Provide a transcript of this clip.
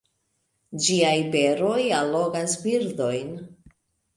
Ĝiaj beroj allogas birdojn.